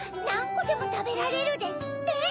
「なんこでもたべられる」ですって！